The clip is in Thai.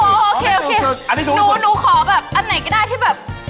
โอเคน้องน้องขอแบบอันไหนก็ได้ที่แบบ